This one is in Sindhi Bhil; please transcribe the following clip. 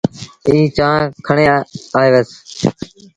ائيٚݩ چآنه کڻي آيوس